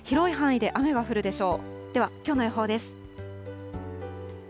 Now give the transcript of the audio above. では、きょうの予報です。